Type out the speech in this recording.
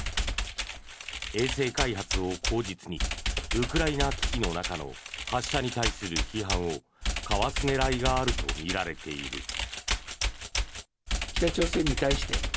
衛星開発を口実にウクライナ危機の中の発射に対する批判をかわす狙いがあるとみられている。